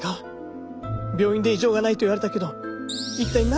病院で異常がないと言われたけど一体何が原因なんだ？